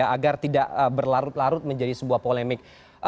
agar tidak berlarut larut menjadi sebuah polemik